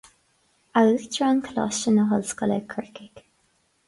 A Uachtaráin Coláiste na hOllscoile Corcaigh